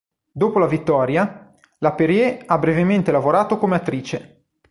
Dopo la vittoria, la Perrier ha brevemente lavorato come attrice.